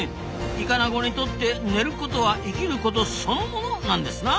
イカナゴにとって寝ることは生きることそのものなんでスナ。